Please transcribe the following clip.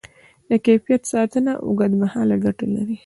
د کیفیت ساتنه اوږدمهاله ګټه لري.